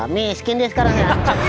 miskin dia sekarang ya